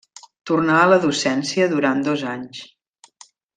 Tornà a la docència durant dos anys.